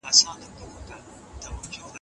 که ښوونکی نوې لارې وکاروي، تدریس کمزوری نه کېږي.